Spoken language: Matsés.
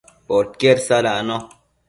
podquied sadacno